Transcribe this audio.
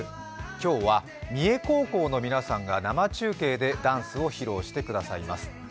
今日は三重高校の皆さんが生中継でダンスを披露してくださいます。